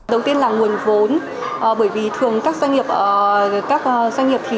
đầu tiên là nguồn vốn bởi vì thường các doanh nghiệp